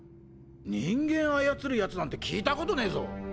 人間操る奴なんて聞いたことねぇぞ。